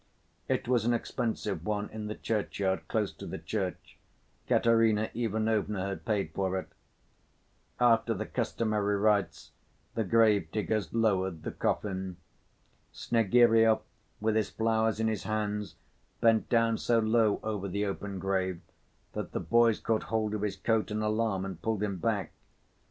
It was an expensive one in the churchyard close to the church, Katerina Ivanovna had paid for it. After the customary rites the grave‐ diggers lowered the coffin. Snegiryov with his flowers in his hands bent down so low over the open grave that the boys caught hold of his coat in alarm and pulled him back.